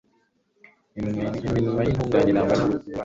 iminwa y'intungane irangwa n'ubugwaneza